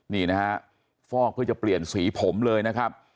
นี่นะฮะฟอกเพื่อจะเปลี่ยนสีผมเลยนะครับ